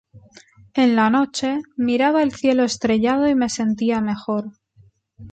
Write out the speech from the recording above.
En la noche, miraba el cielo estrellado y me sentía mejor.